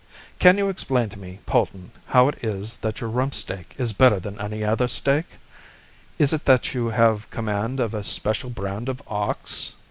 Can you explain to me, Polton, how it is that your rump steak is better than any other steak? Is it that you have command of a special brand of ox?"